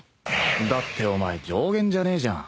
だってお前上弦じゃねえじゃん。